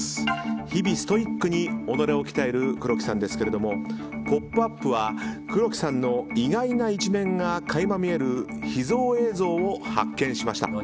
日々ストイックに己を鍛える黒木さんですが「ポップＵＰ！」は黒木さんの意外な一面が垣間見える秘蔵映像を発見しました。